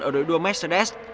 ở đội đua mercedes